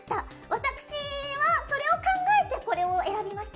私はそれを考えてこれを選びました。